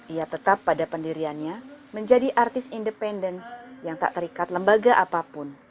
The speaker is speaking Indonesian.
ia tetap pada pendiriannya menjadi artis independen yang tak terikat lembaga apapun